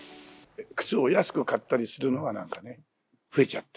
靴を安く買ったりするのがなんかね、増えちゃって。